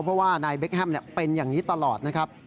เพราะว่านายเบคแฮมเป็นอย่างนี้ตลอดนะครับ